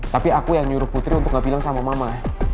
tapi aku yang nyuruh putri untuk gak bilang sama mama